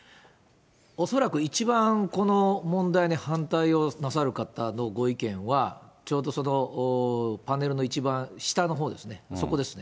恐らく、一番この問題に反対をなさる方のご意見は、ちょうどそのパネルの一番下のほうですね、そこですね。